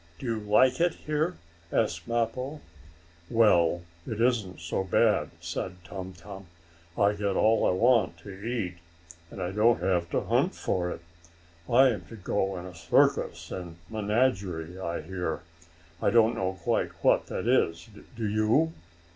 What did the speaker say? "Do you like it here?" asked Mappo. "Well, it isn't so bad," said Tum Tum. "I get all I want to eat, and I don't have to hunt for it. I am to go in a circus and menagerie, I hear. I don't quite know what that is, do you?"